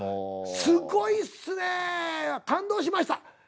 「すごいっすね感動しました」。